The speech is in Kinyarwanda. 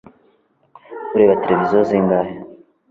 ureba televiziyo zingahe